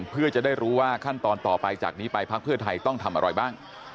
เพื่อจะได้รู้ว่าขั้นตอนต่อไปจากนี้ไปพักเพื่อไทยต้องทำอะไรบ้าง